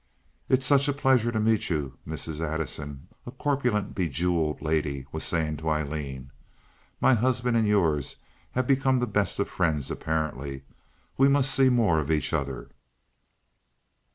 "It's such a pleasure to meet you," Mrs. Addison, a corpulent, bejeweled lady, was saying to Aileen. "My husband and yours have become the best of friends, apparently. We must see more of each other."